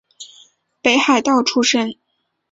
北海道出身。